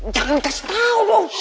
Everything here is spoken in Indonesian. jangan kasih tau dong